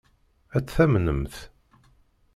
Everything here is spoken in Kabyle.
Ad tt-tamnemt?